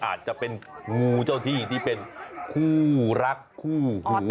อาจจะเป็นงูเจ้าที่ที่เป็นคู่รักคู่หู